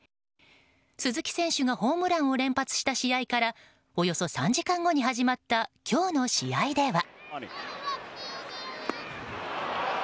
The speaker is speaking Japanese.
鈴木選手がホームランを連発した試合からおよそ３時間後に始まった今日の試合では。